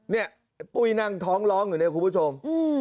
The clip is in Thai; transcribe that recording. นี่ปุ้ยนั่งท้องร้องอยู่ในครูผู้ชม